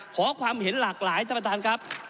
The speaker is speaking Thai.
ขอความเห็นหลากหลายท่านประธานครับ